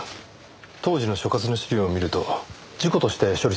当時の所轄の資料を見ると事故として処理されてます。